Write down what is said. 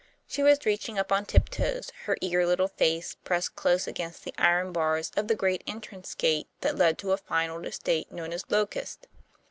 She was reaching up on tiptoes, her eager little face pressed close against the iron bars of the great entrance gate that led to a fine old estate known as "Locust."